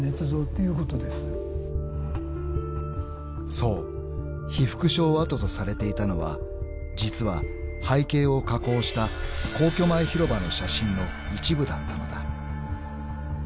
［そう被服廠跡とされていたのは実は背景を加工した皇居前広場の写真の一部だったのだ］